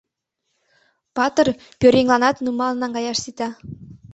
Патыр пӧръеҥланат нумал наҥгаяш сита.